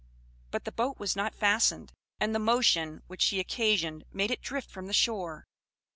But the boat was not fastened, and the motion which she occasioned, made it drift from the shore.